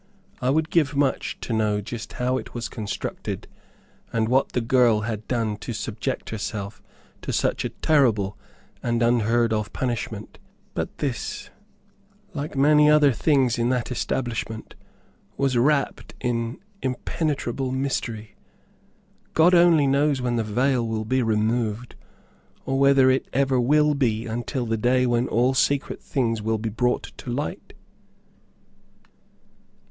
I would give much to know just how it was constructed, and what the girl had done to subject herself to such a terrible and unheard of punishment. But this, like many other things in that establishment, was wrapped in impenetrable mystery. God only knows when the veil will be removed, or whether it ever will be until the day when all secret things will be brought to light.